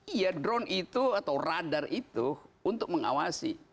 iya drone itu atau radar itu untuk mengawasi